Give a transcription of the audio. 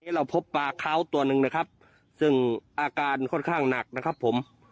เราพบปลาขาวตัวหนึ่งนะครับซึ่งอาการค่อนข้างหนักนะครับผม